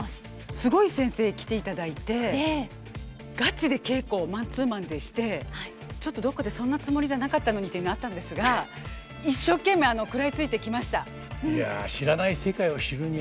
すごい先生来ていただいてガチで稽古をマンツーマンでしてちょっとどっかで「そんなつもりじゃなかったのに」というのあったんですが一生懸命食らいついてきました。